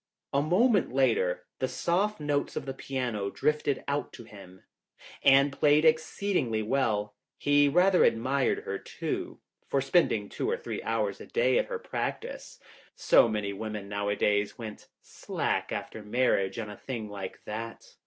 A moment later, the soft notes of the piano drifted out to him. Anne played exceedingly well. He rather admired her, too, for spending two or three hours a day at her practice. So many women nowadays went slack after mar riage on a thing like that.